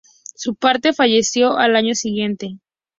Su padre falleció al año siguiente.